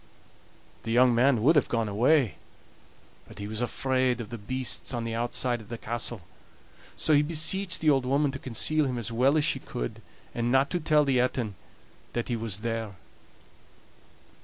The young man would have gone away, but he was afraid of the beasts on the outside of the castle; so he beseeched the old woman to conceal him as well as she could, and not to tell the Etin that he was there.